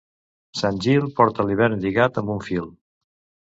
Sant Gil porta l'hivern lligat amb un fil.